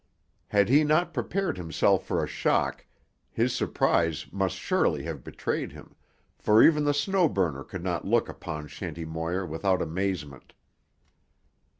Had he not prepared himself for a shock, his surprise must surely have betrayed him, for even the Snow Burner could not look upon Shanty Moir without amazement.